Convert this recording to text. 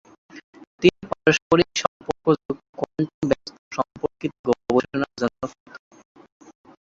তিনি পারস্পরিক সম্পর্কযুক্ত কোয়ান্টাম ব্যবস্থা সম্পর্কিত গবেষণার জন্য খ্যাত।